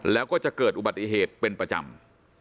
แล้วก็จะเกิดอุบัติเหตุเป็นประจำ